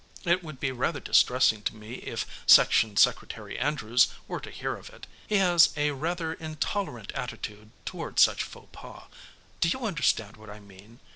It would be rather distressing to me if Section Secretary Andrews were to hear of it; he has a rather intolerant attitude toward such faux pas. Do you understand what I mean?